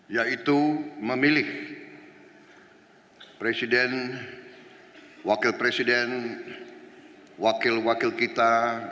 yaitu memilih presiden wakil presiden wakil wakil kita